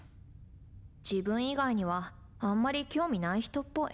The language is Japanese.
自分以外にはあんまり興味ない人っぽい。